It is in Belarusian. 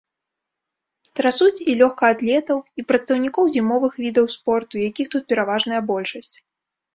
Трасуць і лёгкаатлетаў, і прадстаўнікоў зімовых відаў спорту, якіх тут пераважная большасць.